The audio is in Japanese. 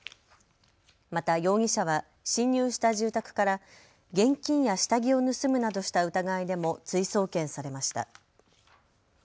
また容疑者は侵入した住宅から現金や下着を盗むなどした疑いでも追送検されました。